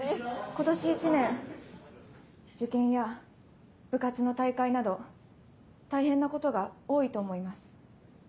今年一年受験や部活の大会など大変なことが多いと思います。